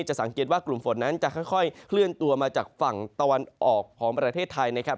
สังเกตว่ากลุ่มฝนนั้นจะค่อยเคลื่อนตัวมาจากฝั่งตะวันออกของประเทศไทยนะครับ